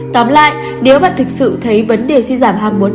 tóm lại nếu bạn thực sự thấy vấn đề suy giảm ham muốn